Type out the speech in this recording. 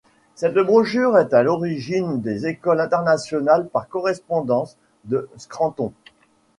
Cette brochure est à l'origine des écoles internationales par correspondance de Scranton.